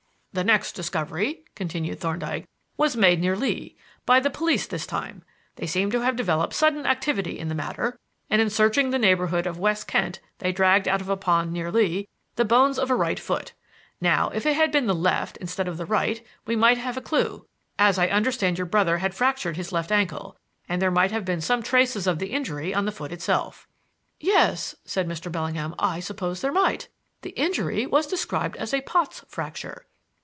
"The next discovery," continued Thorndyke, "was made near Lee, by the police this time. They seem to have developed sudden activity in the matter, and in searching the neighborhood of West Kent they dragged out of a pond near Lee the bones of a right foot. Now, if it had been the left instead of the right we might have a clue, as I understand your brother had fractured his left ankle, and there might have been some traces of the injury on the foot itself." "Yes," said Mr. Bellingham. "I suppose there might. The injury was described as a Pott's fracture."